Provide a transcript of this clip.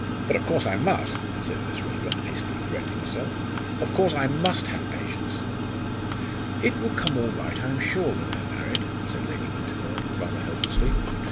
But, of course, I must " said Miss Raeburn, hastily correcting herself "of course, I must have patience." "It will all come right, I am sure, when they are married," said Lady Winterbourne, rather helplessly.